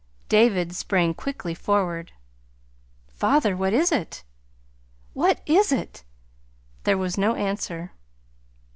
David sprang quickly forward. "Father, what is it? WHAT IS IT?" There was no answer.